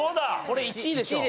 これ１位でしょ。